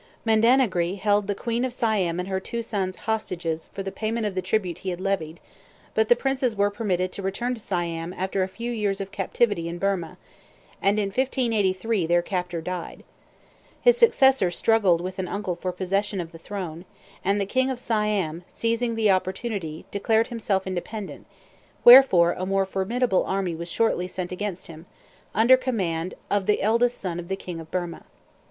Mandanahgri held the queen of Siam and her two sons as hostages for the payment of the tribute he had levied; but the princes were permitted to return to Siam after a few years of captivity in Birmah, and in 1583 their captor died. His successor struggled with an uncle for possession of the throne, and the king of Siam, seizing the opportunity, declared himself independent; wherefore a more formidable army was shortly sent against him, under command of the eldest son of the king of Birmah.